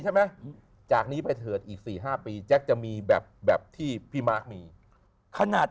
ใช่ไหมจากนี้ไปเถิดอีก๔๕ปีแจ๊คจะมีแบบที่พี่มาร์คมีขนาด